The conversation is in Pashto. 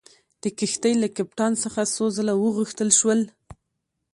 د کښتۍ له کپټان څخه څو ځله وغوښتل شول.